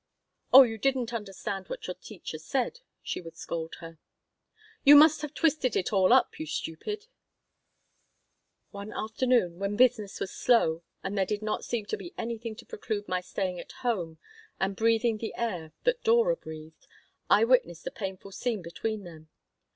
"Oh, you didn't understand what your teacher said," she would scold her. "You must have twisted it all up, you stupid." One afternoon, when business was slow and there did not seem to be anything to preclude my staying at home and breathing the air that Dora breathed, I witnessed a painful scene between them.